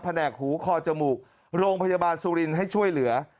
แหนกหูคอจมูกโรงพยาบาลสุรินทร์ให้ช่วยเหลือ